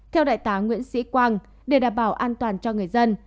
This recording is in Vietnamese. theo đại tá nguyễn sĩ quang để đảm bảo an toàn cho người dân